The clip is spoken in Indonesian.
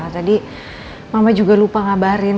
tadi mama juga lupa ngabarin